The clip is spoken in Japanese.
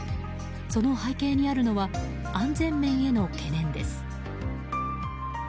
その背景にあるのは安全面への懸念です。